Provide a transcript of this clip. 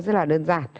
rất là đơn giản